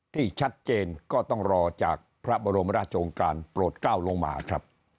ที่ชัดเจนก็ต้องรอจากพระบรมราชองค์การโปรดกล้าวลงมาครับ